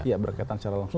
iya berkaitan secara langsung